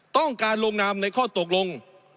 ต้องการลงนามในข้อตกลง